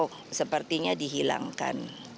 atau sepertinya dihilangkan